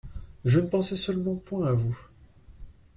Je ne pensais seulement point à vous.